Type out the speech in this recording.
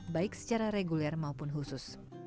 baik secara reguler maupun khusus